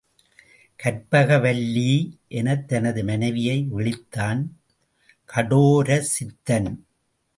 கற்பகவல்லலீ! எனத் தனது மனைவியை விளித்தான் கடோரசித்தன்.